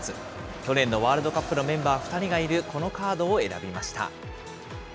去年のワールドカップのメンバー２人がいるこのカードを選びました。